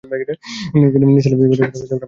নিসার আলি বাসায় ফিরলেন এগারটার সময়।